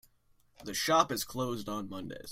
The shop is closed on Mondays.